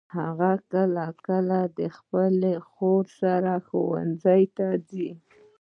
هغه کله کله د خپلي خور سره ښوونځي ته ځي.